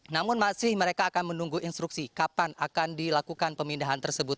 namun masih mereka akan menunggu instruksi kapan akan dilakukan pemindahan tersebut